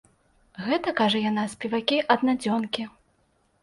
Гэта, кажа яна, спевакі-аднадзёнкі.